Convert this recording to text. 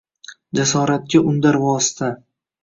Jasoratga undar vosita.